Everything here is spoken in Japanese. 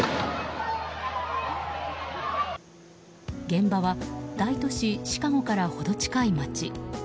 現場は大都市シカゴからほど近い街。